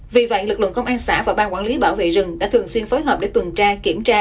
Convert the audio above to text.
vì vậy lực lượng công an xã và ban quản lý bảo vệ rừng đã thường xuyên phối hợp để tuần tra kiểm tra